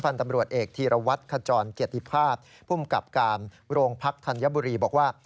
ตำรวจเอกธีรวัตรขจรเกียรติภาพภูมิกับการโรงพักธัญบุรีบอกว่า